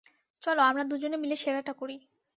চলো আমরা দুজনে মিলে সেরাটা করি!